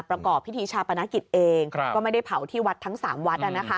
ประกอบพิธีชาปนกิจเองก็ไม่ได้เผาที่วัดทั้ง๓วัด